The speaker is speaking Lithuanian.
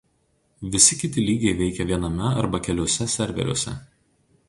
Visi kiti lygiai veikia viename arba keliuose serveriuose.